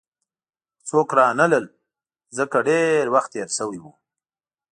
خو څوک رانغلل، ځکه ډېر وخت تېر شوی وو.